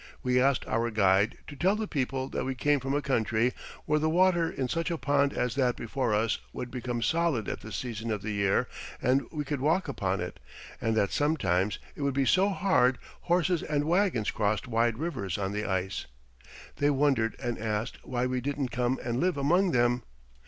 We asked our guide to tell the people that we came from a country where the water in such a pond as that before us would become solid at this season of the year and we could walk upon it and that sometimes it would be so hard horses and wagons crossed wide rivers on the ice. They wondered and asked why we didn't come and live among them.